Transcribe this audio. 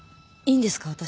いいんですか？